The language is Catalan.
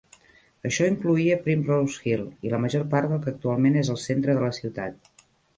Això incloïa Primrose Hill i la major part del que actualment és el centre de la ciutat.